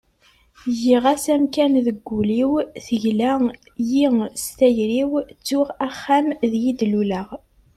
giɣ-as amkan deg ul-iw, tegla-yi s tayri-w, ttuɣ axxam deg i d-luleɣ